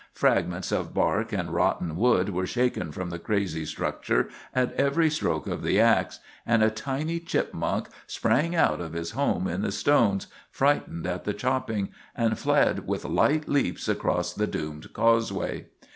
Fragments of bark and rotten wood were shaken from the crazy structure at every stroke of the ax, and a tiny chipmunk sprang out of his home in the stones, frightened at the chopping, and fled with light leaps across the doomed causeway.